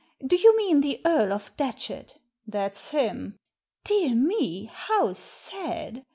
Do you mean the Earl of Datchet?" "That's him." " Dear me ! How sad